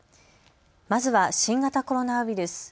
まずは新型コロナウイルス。